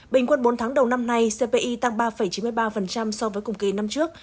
bình quân bốn tháng đầu năm nay cpi tăng ba chín mươi ba so với cùng kỳ năm trước